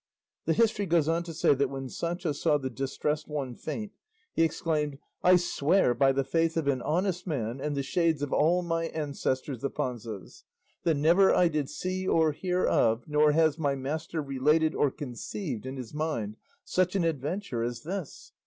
The history goes on to say that when Sancho saw the Distressed One faint he exclaimed: "I swear by the faith of an honest man and the shades of all my ancestors the Panzas, that never I did see or hear of, nor has my master related or conceived in his mind, such an adventure as this.